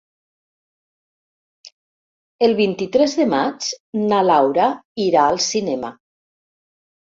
El vint-i-tres de maig na Laura irà al cinema.